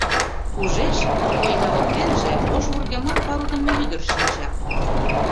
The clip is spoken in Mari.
Ужеш, койка воктенже ош вургеман палыдыме ӱдыр шинча.